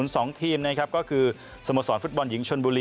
อย่างน้อยฝร